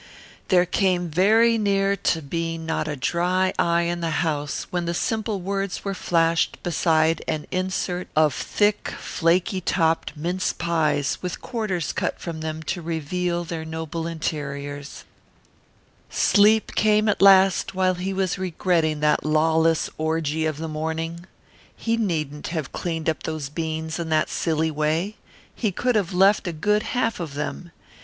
There came very near to being not a dry eye in the house when the simple words were flashed beside an insert of thick, flaky topped mince pies with quarters cut from them to reveal their noble interiors Sleep came at last while he was regretting that lawless orgy of the morning. He needn't have cleaned up those beans in that silly way. He could have left a good half of them.